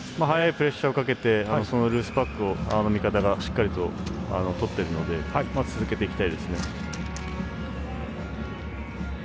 早いプレッシャーをかけてルーズパックを味方がしっかりとっているので続けていきたいですね。